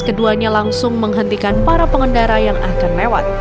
keduanya langsung menghentikan para pengendara yang akan lewat